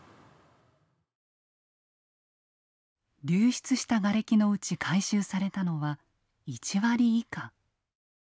流出したガレキのうち回収されたのは１割以下。